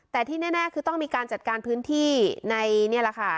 แต่ที่แน่คือต้องมีการจัดการพื้นที่ในนี่แหละค่ะ